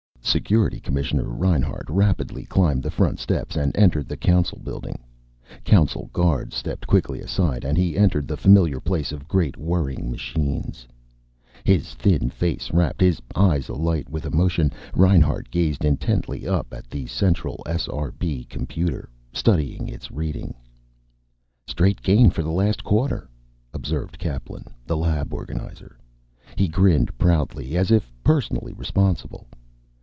Security Commissioner Reinhart rapidly climbed the front steps and entered the Council building. Council guards stepped quickly aside and he entered the familiar place of great whirring machines. His thin face rapt, eyes alight with emotion, Reinhart gazed intently up at the central SRB computer, studying its reading. "Straight gain for the last quarter," observed Kaplan, the lab organizer. He grinned proudly, as if personally responsible.